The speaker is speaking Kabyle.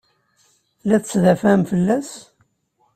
La tettdafaɛem fell-as?